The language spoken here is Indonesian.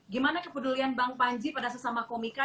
gimana kepedulian bang panji pada sesama komika